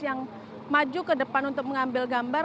yang maju ke depan untuk mengambil gambar